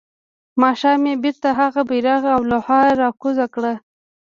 ماښام يې بيرته هغه بيرغ او لوحه راکوزه کړه.